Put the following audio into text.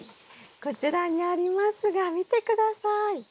こちらにありますが見て下さい。